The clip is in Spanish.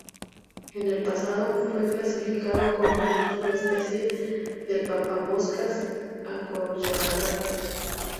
En el pasado fue clasificado como una subespecie del papamoscas acollarado.